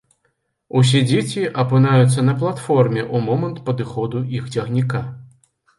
Усе дзеці апынаюцца на платформе ў момант падыходу іх цягніка.